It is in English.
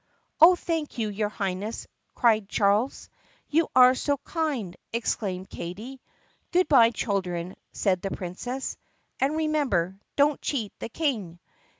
"Oh, thank you, your Highness!" cried Charles. "You are so kind!" exclaimed Katie. "Good by, children," said the Princess. "And remember — don't cheat the King."